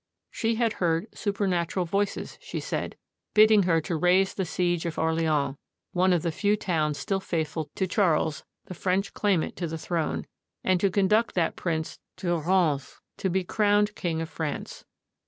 She had heard supernatural voices, she said, bidding her to raise the siege of Orleans, one of the few towns still faithful to Charles, the French claimant to the throne, and to conduct that prince to Rheims to be crowned king of France.